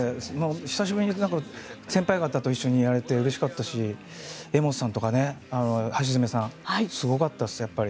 久しぶりに先輩方とやれてうれしかったし柄本さんとかね、橋爪さんすごかったです、やっぱり。